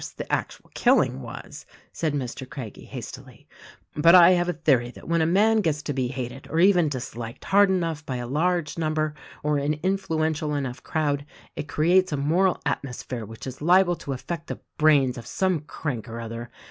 the actual killing was," said Mr. Craggie hastily; "but I have a theory that when a man gets to be hated or even disliked hard enough by a large number, or an influential enough crowd, it creates a moral atmosphere which is liable to affect the brains of some crank or other.